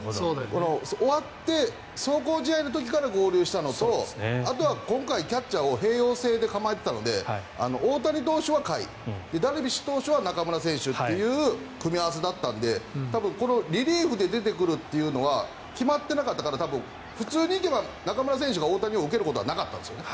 終わって、壮行試合の時から合流したのとあとは今回、キャッチャーを併用制で構えていたので大谷投手は甲斐ダルビッシュ投手は中村選手という組み合わせだったので多分、このリリーフで出てくるというのは決まっていなかったから普通にいけば中村選手が大谷を受けることはなかったんですよね。